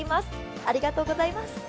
ありがとうございます。